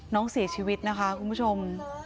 น้องเสียชีวิตนะคะคุณผู้ชม